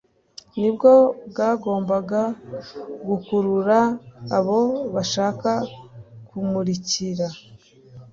nibwo bwagombaga gukurura abo bashaka ku mukurikira